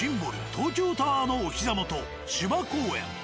東京タワーのお膝元芝公園。